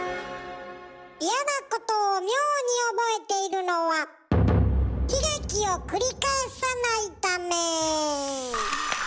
嫌なことを妙に覚えているのは悲劇を繰り返さないため。